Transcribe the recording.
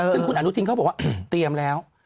ซึ่งคุณอนุทินเขาบอกว่าเตรียมแล้ว